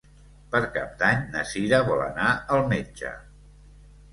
Per Cap d'Any na Sira vol anar al metge.